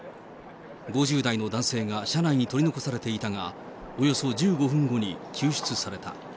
５０代の男性が車内に取り残されていたが、およそ１５分後に救出された。